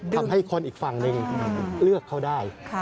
ทำให้คนอีกฝั่งหนึ่งเลือกเขาได้